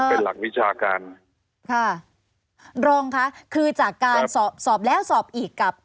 เป็นหลักวิชาการค่ะรองค่ะคือจากการสอบสอบแล้วสอบอีกกับ